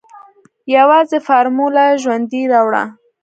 يوازې فارموله ژوندۍ راوړه.